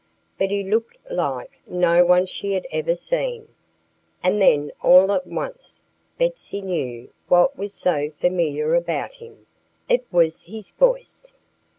But he looked like no one she had even seen. And then all at once Betsy knew what was so familiar about him. It was his voice!